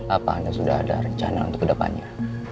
apa anda sudah ada rencana untuk kedepannya